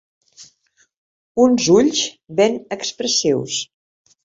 Uns ulls ben expressius.